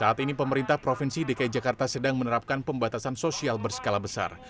saat ini pemerintah provinsi dki jakarta sedang menerapkan pembatasan sosial berskala besar